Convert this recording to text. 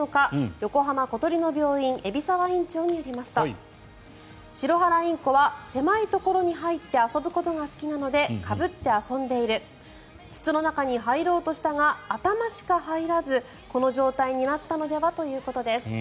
横浜小鳥の病院海老沢院長によりますとシロハラインコは狭いところに入って遊ぶことが好きなのでかぶって遊んでいる筒の中に入ろうとしたが頭しか入らずこの状態になったのではということです。